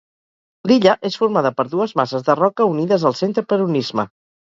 L'illa és formada per dues masses de roca unides al centre per un istme.